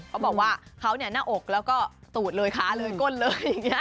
เขาบอกว่าเขาเนี่ยหน้าอกแล้วก็ตูดเลยขาเลยก้นเลยอย่างนี้